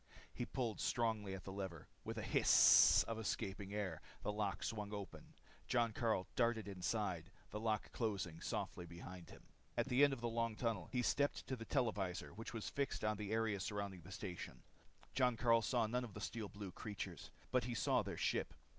He pulled strongly on the lever. With a hiss of escaping air, the lock swung open. Jon Karyl darted inside, the door closing softly behind. At the end of the long tunnel he stepped to the televisor which was fixed on the area surrounding the station. Jon Karyl saw none of the steel blue creatures. But he saw their ship.